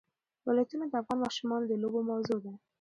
ولایتونه د افغان ماشومانو د لوبو موضوع ده.